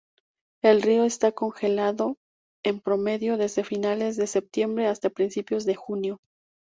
El río está congelado, en promedio, desde finales de septiembre hasta principios de junio.